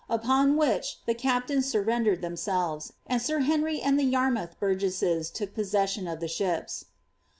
Upon which the captains surrendered themselves, and sir Henry and the Yarmouth burgesses took possessioa of the ships."